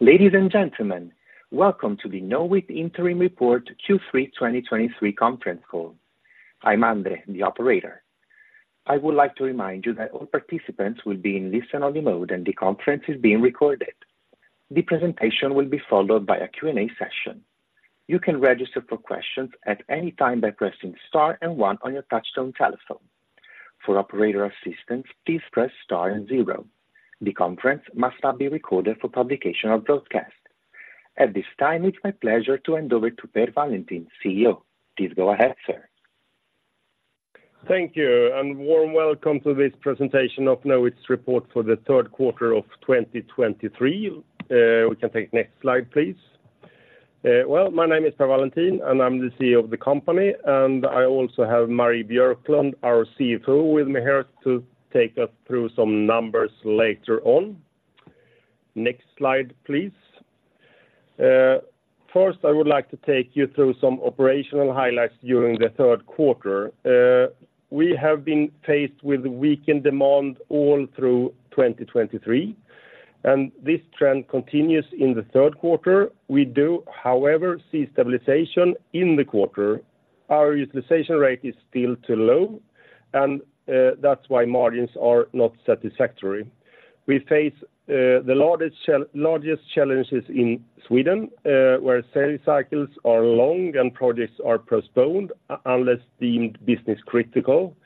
Ladies and gentlemen, welcome to the Knowit Interim Report Q3 2023 conference call. I'm Andre, the operator. I would like to remind you that all participants will be in listen-only mode, and the conference is being recorded. The presentation will be followed by a Q&A session. You can register for questions at any time by pressing star and one on your touchtone telephone. For operator assistance, please press star and zero. The conference must not be recorded for publication or broadcast. At this time, it's my pleasure to hand over to Per Wallentin, CEO. Please go ahead, sir. Thank you, and warm welcome to this presentation of Knowit's report for the third quarter of 2023. We can take next slide, please. Well, my name is Per Wallentin, and I'm the CEO of the company, and I also have Marie Björklund, our CFO, with me here to take us through some numbers later on. Next slide, please. First, I would like to take you through some operational highlights during the third quarter. We have been faced with weakened demand all through 2023, and this trend continues in the third quarter. We do, however, see stabilization in the quarter. Our utilization rate is still too low, and that's why margins are not satisfactory. We face the largest challenges in Sweden, where sales cycles are long and projects are postponed, unless deemed business critical.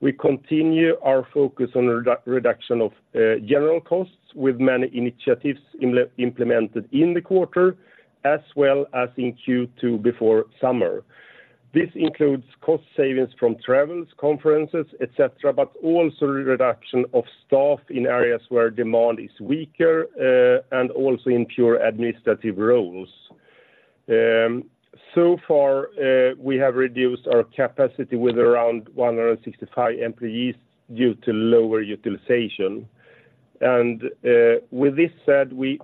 We continue our focus on reduction of general costs, with many initiatives implemented in the quarter, as well as in Q2 before summer. This includes cost savings from travels, conferences, et cetera, but also reduction of staff in areas where demand is weaker, and also in pure administrative roles. So far, we have reduced our capacity with around 165 employees due to lower utilization, and, with this said, we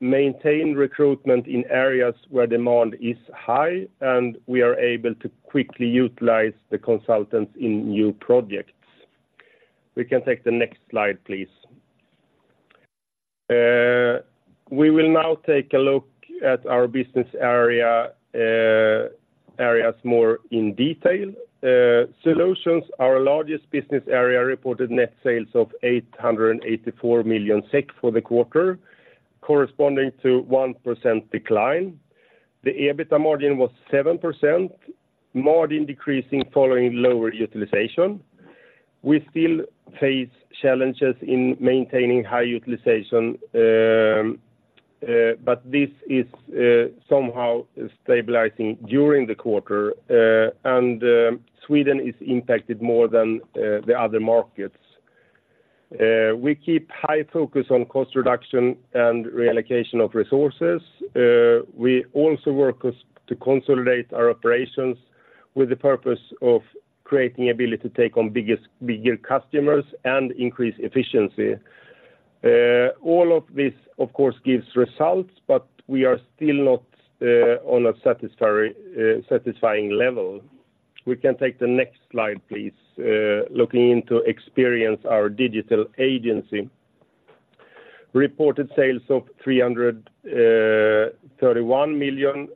maintain recruitment in areas where demand is high, and we are able to quickly utilize the consultants in new projects. We can take the next slide, please. We will now take a look at our business areas more in detail. Solutions, our largest business area, reported net sales of 884 million SEK for the quarter, corresponding to 1% decline. The EBITDA margin was 7%, margin decreasing following lower utilization. We still face challenges in maintaining high utilization, but this is somehow stabilizing during the quarter, and Sweden is impacted more than the other markets. We keep high focus on cost reduction and reallocation of resources. We also work as to consolidate our operations with the purpose of creating ability to take on biggest, bigger customers and increase efficiency. All of this, of course, gives results, but we are still not on a satisfactory, satisfying level. We can take the next slide, please. Looking into Experience, our digital agency. Reported sales of 331 million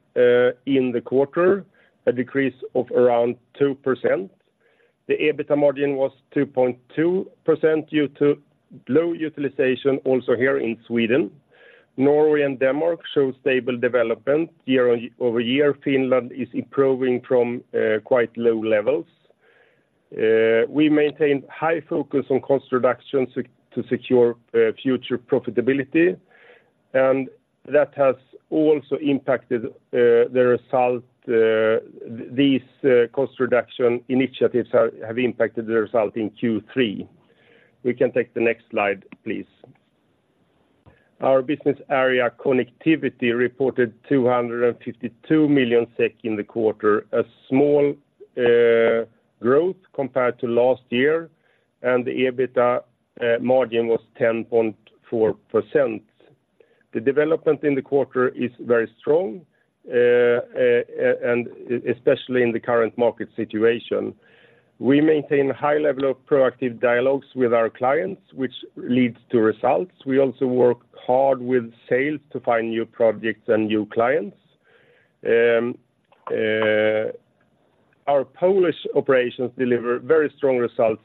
in the quarter, a decrease of around 2%. The EBITDA margin was 2.2% due to low utilization also here in Sweden. Norway and Denmark show stable development. Year-over-year, Finland is improving from quite low levels. We maintained high focus on cost reduction to secure future profitability, and that has also impacted the result. These cost reduction initiatives have impacted the result in Q3. We can take the next slide, please. Our business area, Connectivity, reported 252 million SEK in the quarter, a small growth compared to last year, and the EBITDA margin was 10.4%. The development in the quarter is very strong and especially in the current market situation. We maintain a high level of proactive dialogues with our clients, which leads to results. We also work hard with sales to find new projects and new clients. Our Polish operations deliver very strong results,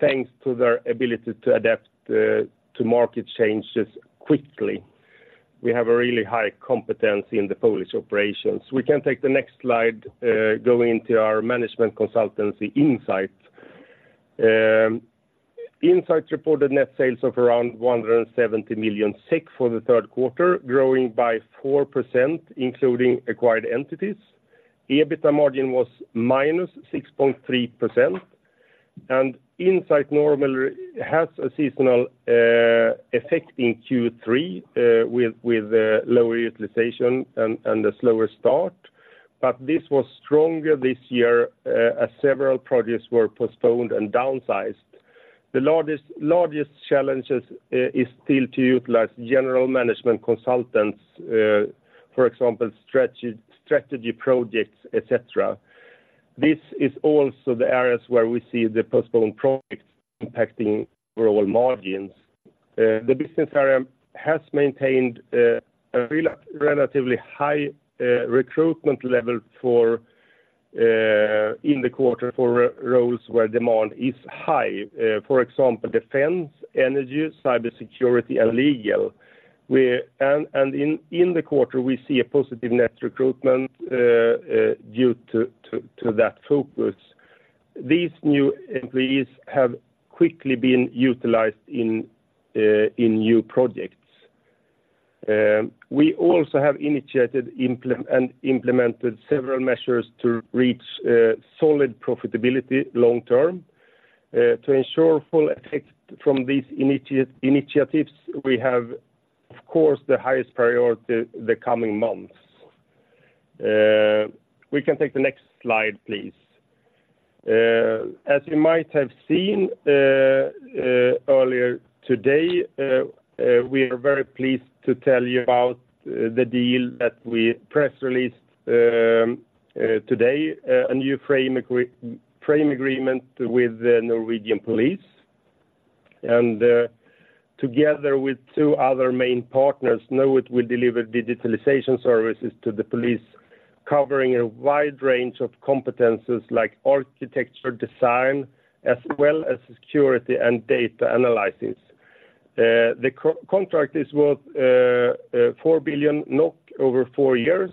thanks to their ability to adapt to market changes quickly. We have a really high competency in the Polish operations. We can take the next slide, going into our management consultancy, Insight. Insight reported net sales of around 170 million SEK for the third quarter, growing by 4%, including acquired entities. EBITDA margin was -6.3%, and Insight normally has a seasonal effect in Q3 with lower utilization and a slower start, but this was stronger this year as several projects were postponed and downsized. The largest challenges is still to utilize general management consultants, for example, strategy projects, etc. This is also the areas where we see the postponed projects impacting overall margins. The business area has maintained a relatively high recruitment level for in the quarter for roles where demand is high. For example, defense, energy, cybersecurity, and legal. And in the quarter, we see a positive net recruitment due to that focus. These new employees have quickly been utilized in new projects. We also have implemented several measures to reach solid profitability long term. To ensure full effect from these initiatives, we have, of course, the highest priority the coming months. We can take the next slide, please. As you might have seen, earlier today, we are very pleased to tell you about the deal that we press released today, a new frame agreement with the Norwegian Police. Together with two other main partners, Knowit will deliver digitalization services to the police, covering a wide range of competencies like architecture design, as well as security and data analysis. The contract is worth 4 billion NOK over four years,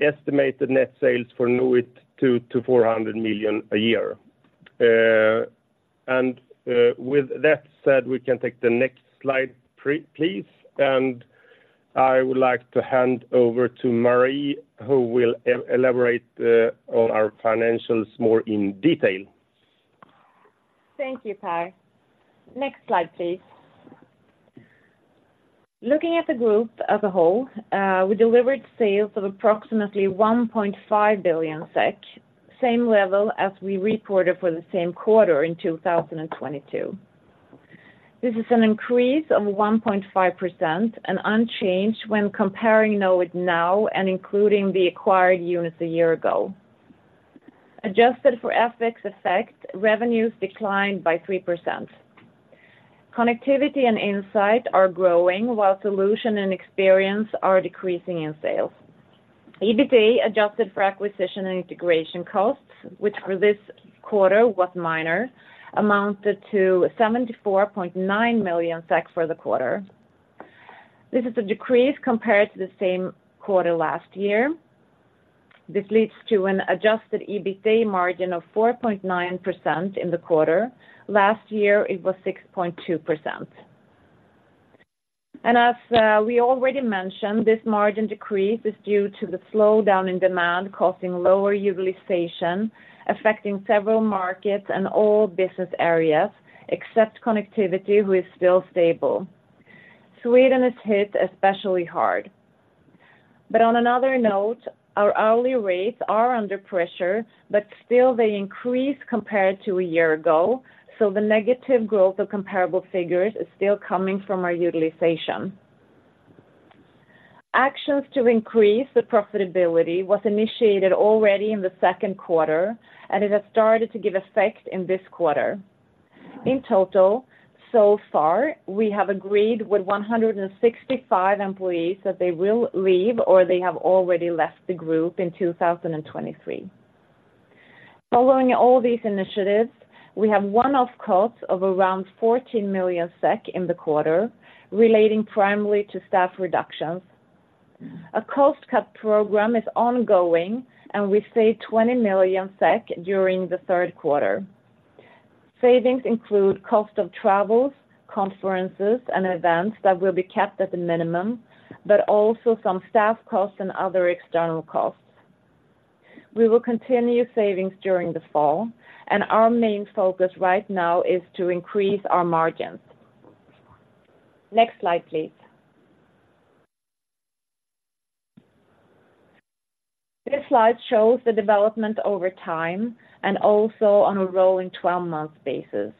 estimated net sales for Knowit 200 million-400 million a year. With that said, we can take the next slide, please, and I would like to hand over to Marie, who will elaborate on our financials more in detail. Thank you, Per. Next slide, please. Looking at the Group as a whole, we delivered sales of approximately 1.5 billion SEK, same level as we reported for the same quarter in 2022. This is an increase of 1.5% and unchanged when comparing Knowit now and including the acquired units a year ago. Adjusted for FX effect, revenues declined by 3%. Connectivity and Insight are growing, while Solutions and Experience are decreasing in sales. EBITA, adjusted for acquisition and integration costs, which for this quarter was minor, amounted to 74.9 million SEK for the quarter. This is a decrease compared to the same quarter last year. This leads to an adjusted EBITA margin of 4.9% in the quarter. Last year, it was 6.2%. As we already mentioned, this margin decrease is due to the slowdown in demand, causing lower utilization, affecting several markets and all business areas, except Connectivity, who is still stable. Sweden is hit especially hard. But on another note, our hourly rates are under pressure, but still they increase compared to a year ago, so the negative growth of comparable figures is still coming from our utilization. Actions to increase the profitability was initiated already in the second quarter, and it has started to give effect in this quarter. In total, so far, we have agreed with 165 employees that they will leave, or they have already left the Group in 2023. Following all these initiatives, we have one-off costs of around 14 million SEK in the quarter, relating primarily to staff reductions. A cost-cut program is ongoing, and we save 20 million SEK during the third quarter. Savings include cost of travels, conferences, and events that will be kept at the minimum, but also some staff costs and other external costs. We will continue savings during the fall, and our main focus right now is to increase our margins. Next slide, please. This slide shows the development over time and also on a rolling 12-month basis.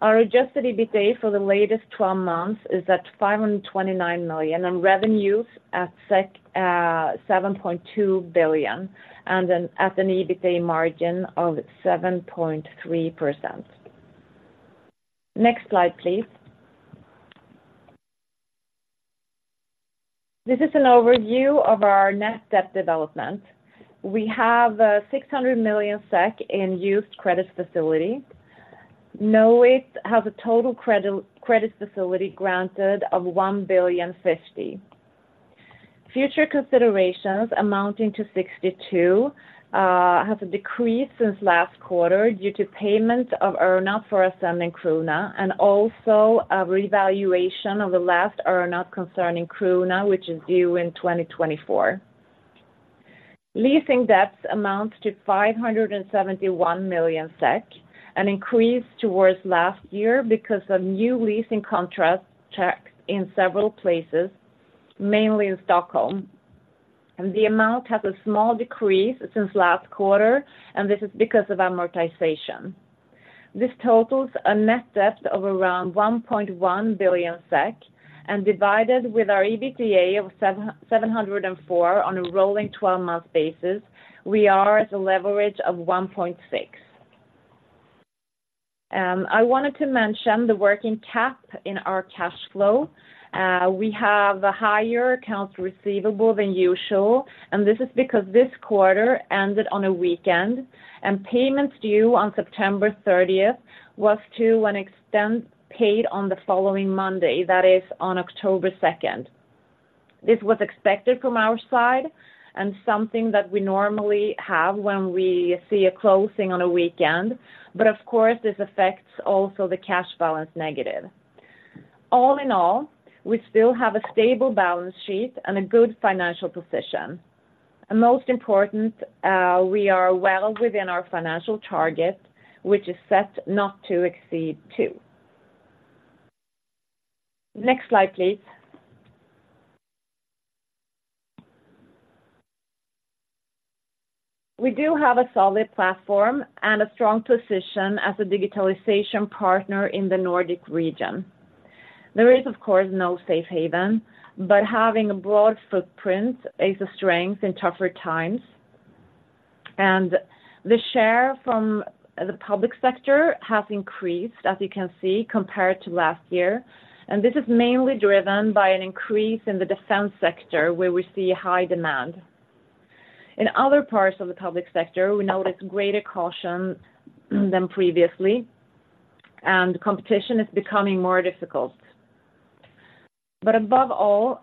Our adjusted EBITA for the latest 12 months is at 529 million, and revenues at 7.2 billion, and then at an EBITA margin of 7.3%. Next slide, please. This is an overview of our net debt development. We have 600 million SEK in used credit facility. Knowit has a total credit facility granted of 1,050,000,000. Future considerations amounting to 62 million has decreased since last quarter due to payments of earnout for Ascend, Creuna, and also a revaluation of the last earnout concerning Creuna, which is due in 2024. Leasing debts amount to 571 million SEK, an increase towards last year because of new leasing contracts taken in several places, mainly in Stockholm. The amount has a small decrease since last quarter, and this is because of amortization. This totals a net debt of around 1.1 billion SEK, and divided with our EBITA of 707 on a rolling 12 month basis, we are at a leverage of 1.6. I wanted to mention the working cap in our cash flow. We have a higher accounts receivable than usual, and this is because this quarter ended on a weekend, and payments due on September 30th was to an extent, paid on the following Monday, that is, on October second. This was expected from our side and something that we normally have when we see a closing on a weekend, but of course, this affects also the cash balance negative. All in all, we still have a stable balance sheet and a good financial position. And most important, we are well within our financial target, which is set not to exceed two. Next slide, please. We do have a solid platform and a strong position as a digitalization partner in the Nordic region. There is, of course, no safe haven, but having a broad footprint is a strength in tougher times, and the share from the public sector has increased, as you can see, compared to last year. This is mainly driven by an increase in the defense sector, where we see high demand. In other parts of the public sector, we notice greater caution than previously, and competition is becoming more difficult. But above all,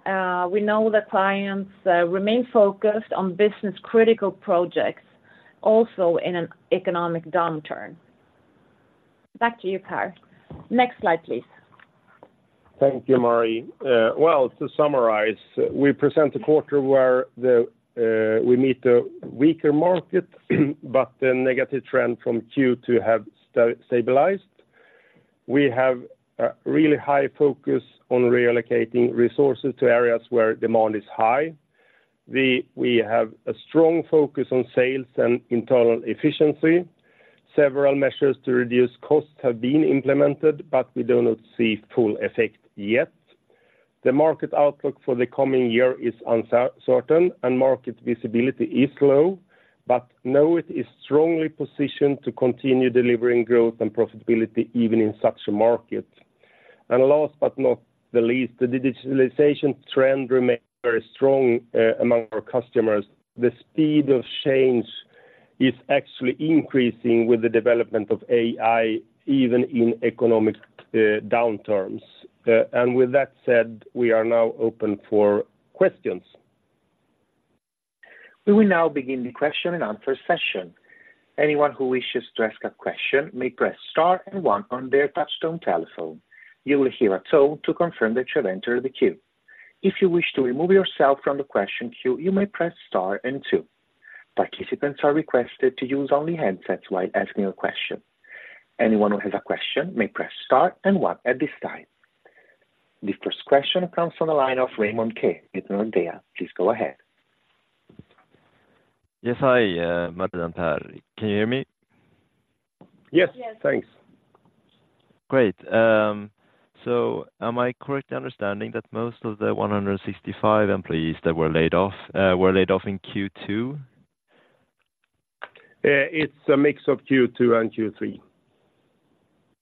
we know that clients remain focused on business-critical projects, also in an economic downturn. Back to you, Per. Next slide, please. Thank you, Marie. Well, to summarize, we present a quarter where the we meet a weaker market, but the negative trend from Q2 has stabilized. We have a really high focus on reallocating resources to areas where demand is high. We have a strong focus on sales and internal efficiency. Several measures to reduce costs have been implemented, but we do not see full effect yet. The market outlook for the coming year is uncertain, and market visibility is low, but Knowit is strongly positioned to continue delivering growth and profitability even in such a market. And last but not the least, the digitalization trend remains very strong among our customers. The speed of change is actually increasing with the development of AI, even in economic downturns. And with that said, we are now open for questions. We will now begin the question and answer session. Anyone who wishes to ask a question may press star and one on their touch-tone telephone. You will hear a tone to confirm that you have entered the queue. If you wish to remove yourself from the question queue, you may press star and two. Participants are requested to use only headsets while asking a question. Anyone who has a question may press star and one at this time. The first question comes from the line of Raymond Ke with Nordea. Please go ahead. Yes. Hi, Marie and Per. Can you hear me? Yes. Yes. Thanks. Great, so am I correctly understanding that most of the 165 employees that were laid off were laid off in Q2? It's a mix of Q2 and Q3.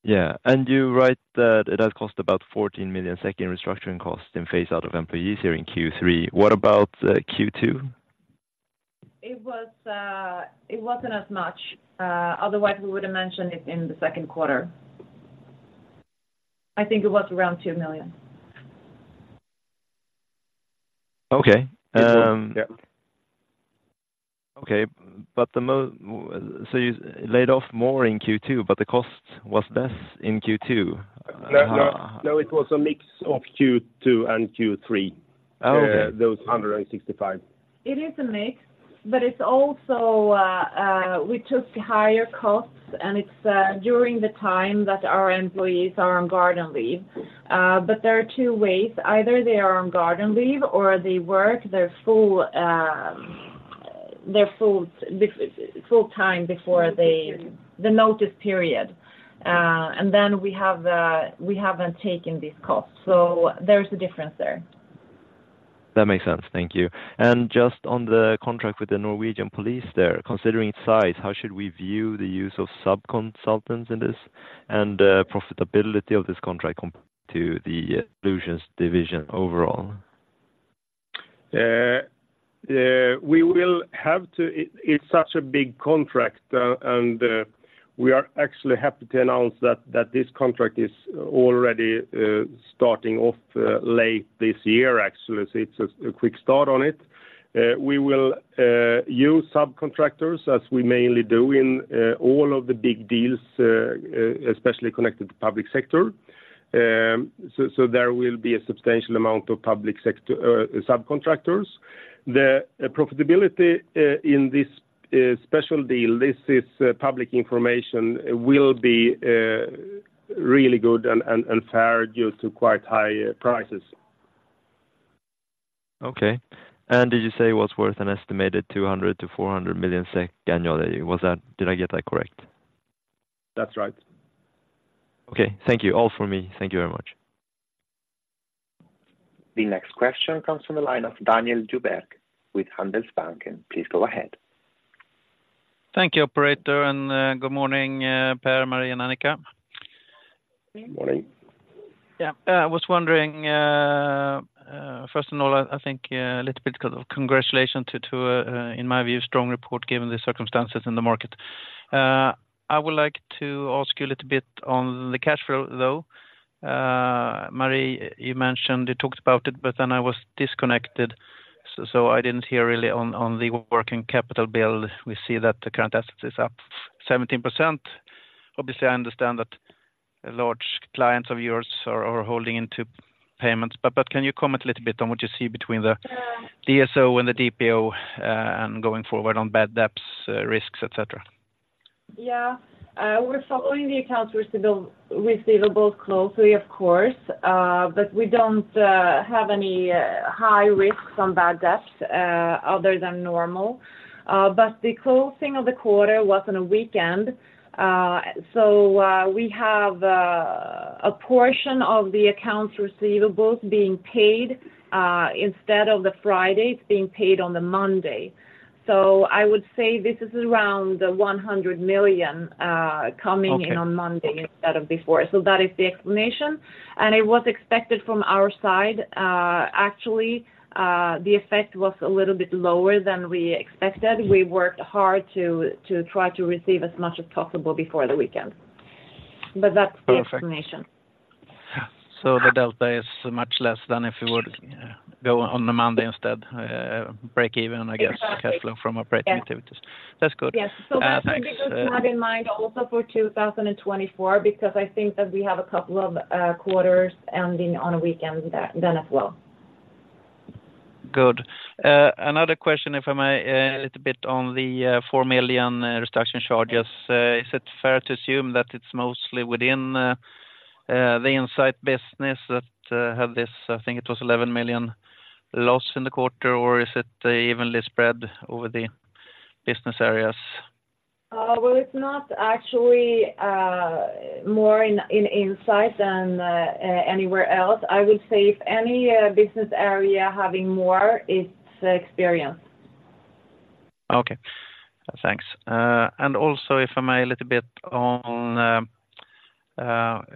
Yeah, and you write that it has cost about 14 million in restructuring costs in phase out of employees here in Q3. What about Q2? It was, it wasn't as much, otherwise we would have mentioned it in the second quarter. I think it was around 2 million. Okay, um. Yeah. Okay, but so you laid off more in Q2, but the cost was less in Q2? No, no, no, it was a mix of Q2 and Q3. Oh, okay. Those 165. It is a mix, but it's also, we took higher costs, and it's during the time that our employees are on garden leave. But there are two ways, either they are on garden leave or they work their full time before the notice period. And then we haven't taken these costs, so there's a difference there. That makes sense. Thank you. And just on the contract with the Norwegian Police there, considering its size, how should we view the use of subconsultants in this and profitability of this contract compared to the Solutions division overall? It's such a big contract, and we are actually happy to announce that this contract is already starting off late this year, actually. So it's a quick start on it. We will use subcontractors, as we mainly do in all of the big deals, especially connected to public sector. So there will be a substantial amount of public sector subcontractors. The profitability in this special deal, this is public information, will be really good and fair due to quite high prices. Okay. And did you say it was worth an estimated 200 million-400 million SEK annually? Was that, did I get that correct? That's right. Okay, thank you. All from me. Thank you very much. The next question comes from the line of Daniel Djurberg with Handelsbanken. Please go ahead. Thank you, operator, and good morning, Per, Marie, and Annika. Good morning. Yeah, I was wondering, first of all, I think a little bit of congratulations to, in my view, strong report, given the circumstances in the market. I would like to ask you a little bit on the cash flow, though. Marie, you mentioned you talked about it, but then I was disconnected, so I didn't hear really on the working capital build. We see that the current assets is up 17%. Obviously, I understand that large clients of yours are holding into payments, but can you comment a little bit on what you see between the DSO and the DPO, and going forward on bad debts, risks, et cetera? Yeah. We're following the accounts receivable, receivables closely, of course, but we don't have any high risks on bad debts other than normal. But the closing of the quarter was on a weekend, so we have a portion of the accounts receivables being paid instead of the Friday; it's being paid on the Monday. So I would say this is around 100 million coming. Okay. In on Monday instead of before. So that is the explanation, and it was expected from our side. Actually, the effect was a little bit lower than we expected. We worked hard to try to receive as much as possible before the weekend. But that's the explanation. Perfect. Yeah, so the delta is much less than if it would go on the Monday instead, break even, I guess. Exactly. Cash flow from operating activities. Yeah. That's good. Yes. Uh, thanks. So something good to have in mind also for 2024, because I think that we have a couple of quarters ending on a weekend that then as well. Good. Another question, if I may, a little bit on the 4 million reduction charges. Is it fair to assume that it's mostly within the Insight business that have this, I think it was 11 million loss in the quarter, or is it evenly spread over the business areas? Well, it's not actually more in Insight than anywhere else. I would say if any business area having more, it's Experience. Okay, thanks. And also, if I may, a little bit on.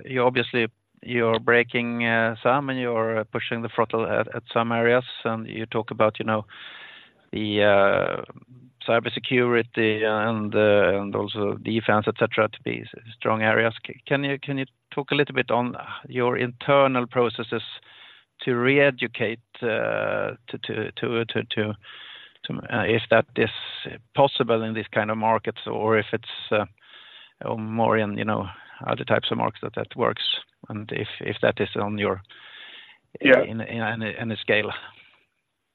You obviously, you're breaking some, and you're pushing the throttle at some areas, and you talk about, you know, the cybersecurity and also defense, et cetera, to be strong areas. Can you talk a little bit on your internal processes to re-educate to if that is possible in these kind of markets or if it's more in, you know, other types of markets that that works, and if that is on your.. Yeah In a scale?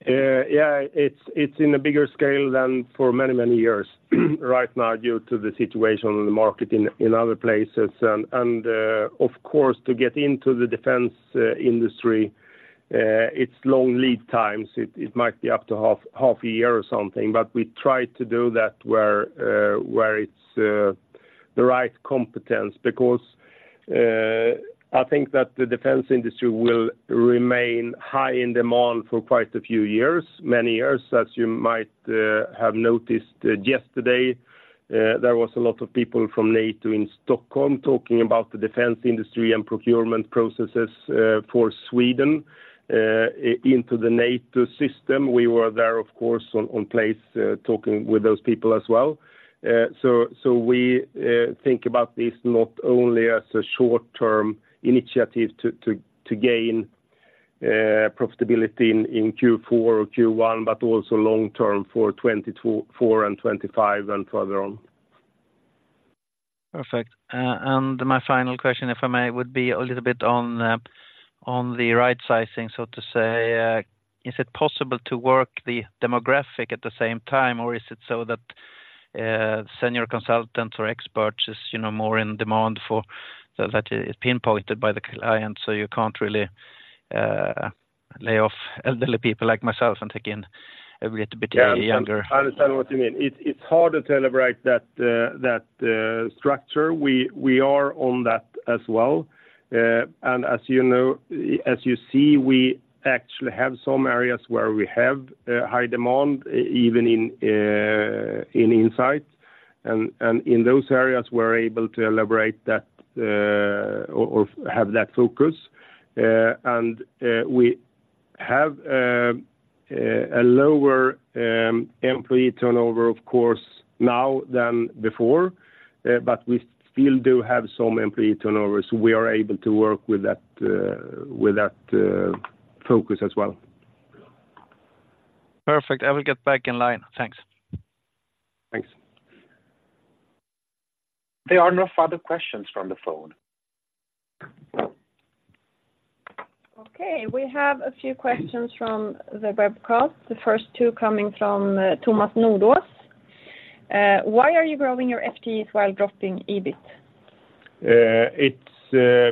Yeah. Yeah, it's in a bigger scale than for many, many years, right now, due to the situation on the market in other places. And of course, to get into the defense industry, it's long lead times. It might be up to half a year or something, but we try to do that where it's the right competence, because I think that the defense industry will remain high in demand for quite a few years, many years, as you might have noticed yesterday. There was a lot of people from NATO in Stockholm talking about the defense industry and procurement processes for Sweden into the NATO system. We were there, of course, on place talking with those people as well. So, we think about this not only as a short-term initiative to gain profitability in Q4 or Q1, but also long-term for 2024 and 2025 and further on. Perfect. My final question, if I may, would be a little bit on the, on the right sizing, so to say. Is it possible to work the demographic at the same time, or is it so that senior consultants or experts is, you know, more in demand for that, that is pinpointed by the client, so you can't really lay off elderly people like myself and take in a little bit younger? Yeah, I understand what you mean. It's hard to celebrate that structure. We are on that as well. As you know, as you see, we actually have some areas where we have high demand, even in Insight, and in those areas, we're able to elaborate that, or have that focus. We have a lower employee turnover, of course, now than before, but we still do have some employee turnovers. We are able to work with that, with that focus as well. Perfect. I will get back in line. Thanks. Thanks. There are no further questions from the phone. Okay, we have a few questions from the webcast. The first two coming from, Thomas Nordås. Why are you growing your FTEs while dropping EBIT? It's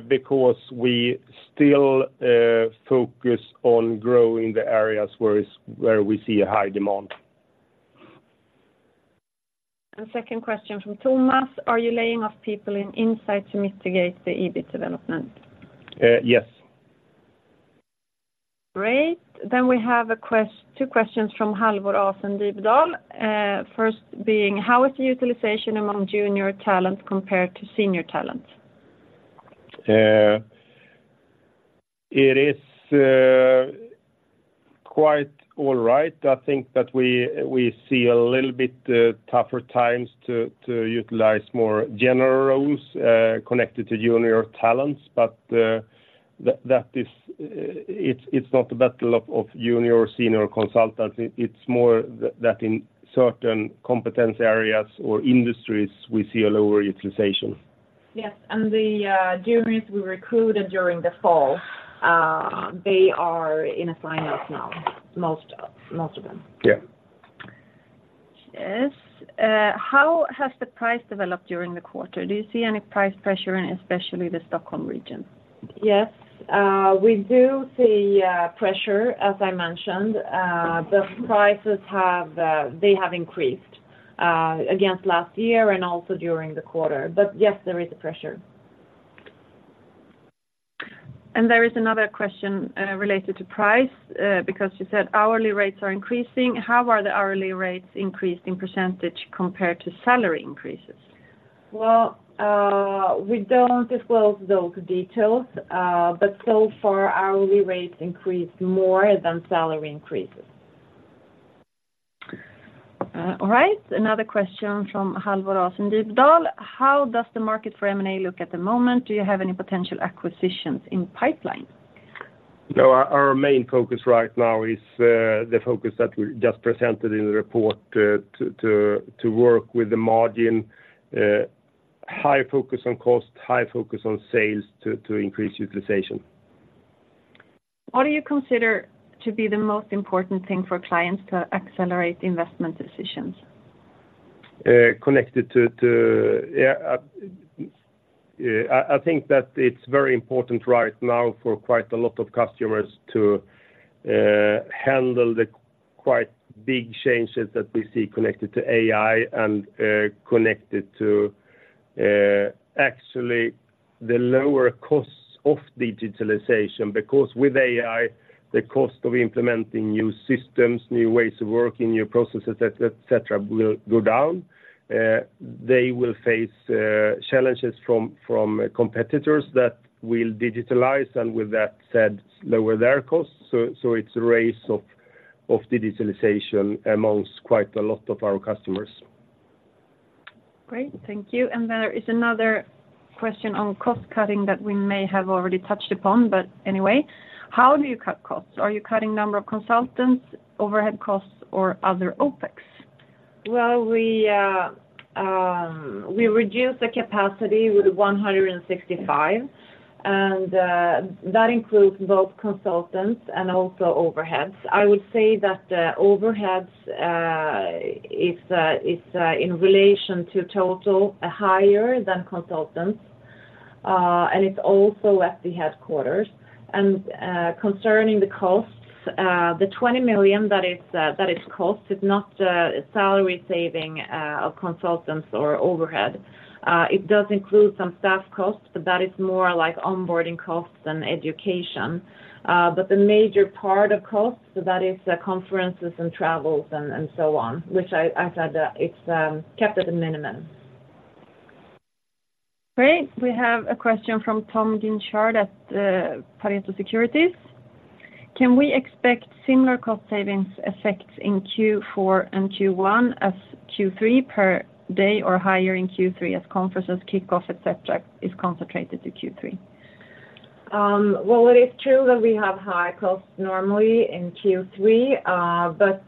because we still focus on growing the areas where we see a high demand. Second question from Thomas: Are you laying off people in Insight to mitigate the EBIT development? Uh, yes. Great. Then we have two questions from Halvor Aasen Dybdahl. First being, how is the utilization among junior talent compared to senior talent? It is quite all right. I think that we see a little bit tougher times to utilize more general roles connected to junior talents, but that is, it's not a battle of junior or senior consultants. It's more that in certain competence areas or industries, we see a lower utilization. Yes, and the juniors we recruited during the fall, they are in assignments now, most of, most of them. Yeah. Yes. How has the price developed during the quarter? Do you see any price pressure in especially the Stockholm region? Yes. We do see pressure, as I mentioned. The prices have, they have increased against last year and also during the quarter. But yes, there is a pressure. There is another question related to price, because you said hourly rates are increasing. How are the hourly rates increased in percentage compared to salary increases? Well, we don't disclose those details, but so far, hourly rates increased more than salary increases. All right. Another question from Halvor Aasen Dybdahl: How does the market for M&A look at the moment? Do you have any potential acquisitions in pipeline? No, our main focus right now is the focus that we just presented in the report, to work with the margin, high focus on cost, high focus on sales to increase utilization. What do you consider to be the most important thing for clients to accelerate investment decisions? Connected to, yeah, I think that it's very important right now for quite a lot of customers to handle the quite big changes that we see connected to AI and connected to actually the lower costs of digitalization. Because with AI, the cost of implementing new systems, new ways of working, new processes, et cetera, will go down. They will face challenges from competitors that will digitalize, and with that said, lower their costs. So it's a race of digitalization amongst quite a lot of our customers. Great, thank you. There is another question on cost cutting that we may have already touched upon, but anyway, how do you cut costs? Are you cutting number of consultants, overhead costs, or other OpEx? Well, we reduced the capacity with 165, and that includes both consultants and also overheads. I would say that the overheads is in relation to total higher than consultants, and it's also at the headquarters. Concerning the costs, the 20 million that is cost is not a salary saving of consultants or overhead. It does include some staff costs, but that is more like onboarding costs and education. But the major part of costs, that is the conferences and travels and so on, which I said it's kept at a minimum. Great. We have a question from Tom Guinchard at Pareto Securities. Can we expect similar cost savings effects in Q4 and Q1 as Q3 per day or higher in Q3 as conferences, kickoff, et cetera, is concentrated to Q3? Well, it is true that we have high costs normally in Q3, but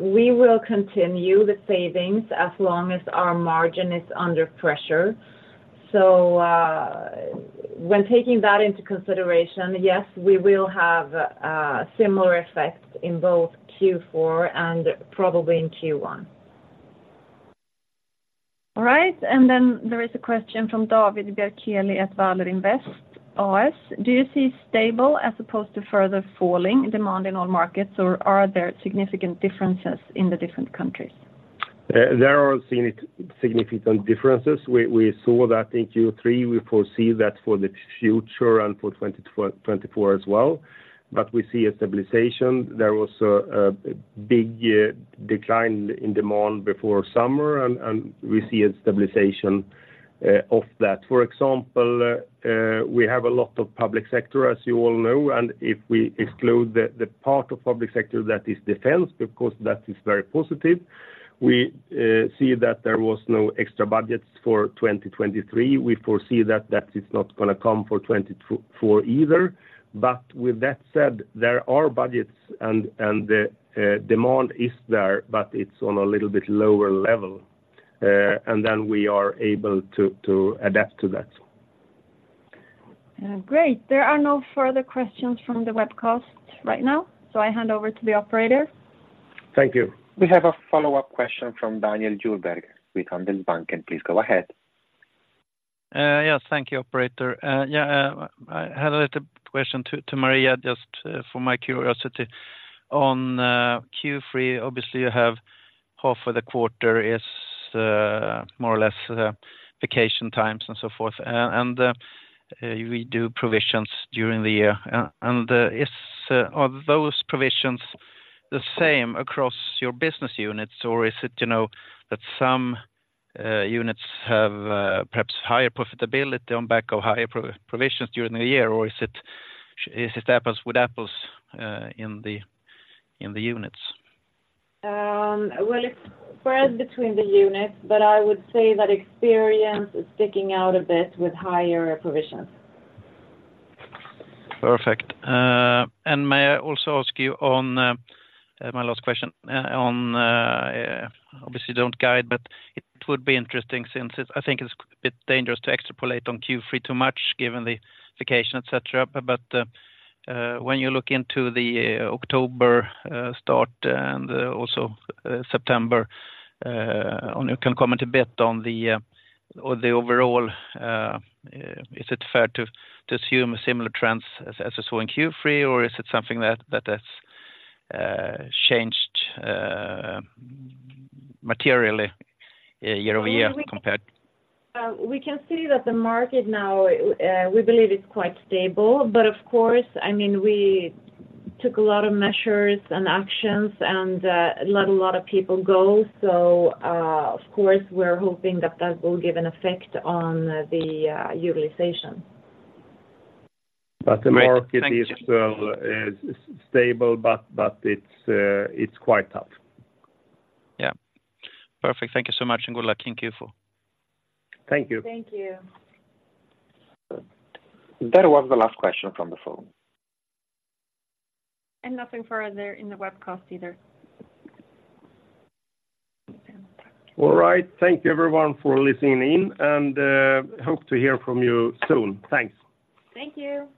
we will continue the savings as long as our margin is under pressure. So, when taking that into consideration, yes, we will have similar effects in both Q4 and probably in Q1. All right. And then there is a question from David Bjerkeli at Hvaler Invest AS. Do you see stable as opposed to further falling demand in all markets, or are there significant differences in the different countries? There are significant differences. We saw that in Q3. We foresee that for the future and for 2024 as well, but we see a stabilization. There was a big decline in demand before summer, and we see a stabilization of that. For example, we have a lot of public sector, as you all know, and if we exclude the part of public sector that is defense, because that is very positive, we see that there was no extra budgets for 2023. We foresee that that is not going to come for 2024 either. But with that said, there are budgets and the demand is there, but it's on a little bit lower level, and then we are able to adapt to that. Great. There are no further questions from the webcast right now, so I hand over to the operator. Thank you. We have a follow-up question from Daniel Djurberg with Handelsbanken, and please go ahead. Yes, thank you, operator. Yeah, I had a little question to Marie, just for my curiosity. On Q3, obviously you have half of the quarter is more or less vacation times and so forth, and you redo provisions during the year. And are those provisions the same across your business units, or is it, you know, that some units have perhaps higher profitability on back of higher provisions during the year? Or is it apples with apples in the units? Well, it's spread between the units, but I would say that Experience is sticking out a bit with higher provisions. Perfect. And may I also ask you on my last question, on obviously you don't guide, but it would be interesting since it's, I think it's a bit dangerous to extrapolate on Q3 too much, given the vacation, et cetera. But when you look into the October start, and also September, only you can comment a bit on the overall, is it fair to assume similar trends as we saw in Q3, or is it something that has changed materially year-over-year compared? We can see that the market now, we believe is quite stable, but of course, I mean, we took a lot of measures and actions and, let a lot of people go. So, of course, we're hoping that that will give an effect on the, utilization. But the market is stable, but it's quite tough. Yeah. Perfect. Thank you so much, and good luck in Q4. Thank you. Thank you. That was the last question from the phone. Nothing further in the webcast either. All right. Thank you, everyone, for listening in, and hope to hear from you soon. Thanks. Thank you.